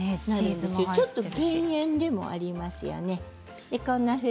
ちょっと減塩でもありますよね。